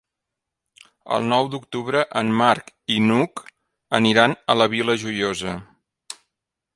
El nou d'octubre en Marc i n'Hug aniran a la Vila Joiosa.